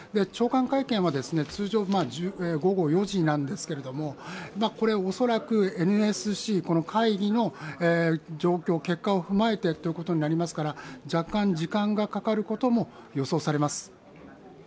長官会見は通常、午後４時なんですけれども恐らく、ＮＳＣ、この会議の状況、結果を踏まえてとなりますから若干、時間がかかることも予想されます。